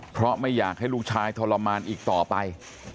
เพราะไม่อยากให้ลูกชายทรมานอีกต่อไป